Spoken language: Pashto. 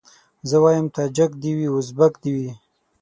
زه وايم تاجک دي وي ازبک دي وي